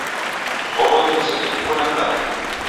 Kwaw'onie seji uko na nganyi?